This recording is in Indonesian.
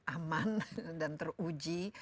aman dan teruji